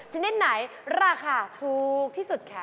ชนิดไหนราคาถูกที่สุดคะ